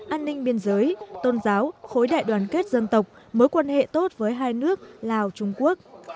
an ninh biên giới tôn giáo khối đại đoàn kết dân tộc mối quan hệ tốt với hai nước lào trung quốc